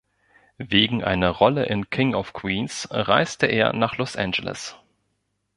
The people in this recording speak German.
Wegen einer Rolle in King of Queens reiste er nach Los Angeles.